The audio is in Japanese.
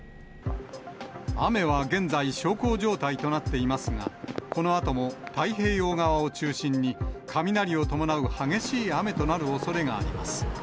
雨は現在、小康状態となっていますが、このあとも太平洋側を中心に、雷を伴う激しい雨となるおそれがあります。